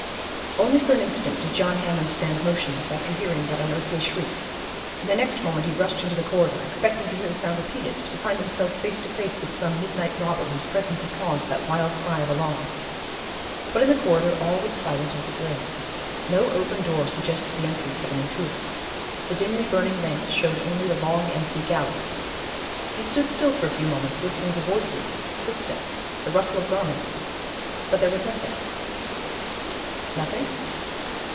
Only for an instant did John Hammond stand motionless after hearing that unearthly shriek. In the next moment he rushed into the corridor, expecting to hear the sound repeated, to find himself face to face with some midnight robber, whose presence had caused that wild cry of alarm. But in the corridor all was silent as the grave. No open door suggested the entrance of an intruder. The dimly burning lamps showed only the long empty gallery. He stood still for a few moments listening for voices, footsteps, the rustle of garments: but there was nothing. Nothing?